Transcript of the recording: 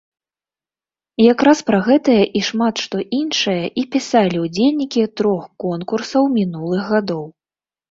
Якраз пра гэтае і шмат што іншае і пісалі ўдзельнікі трох конкурсаў мінулых гадоў.